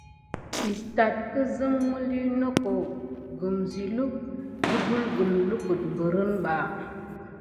Istat gelzim miliy noko akum siluk de kumgene kuluck berinba.